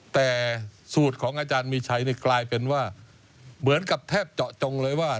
แต่สูตรของอาจารย์มีชัยนี่กลายเป็นว่าเหมือนกับแทบเจาะจงเลยว่า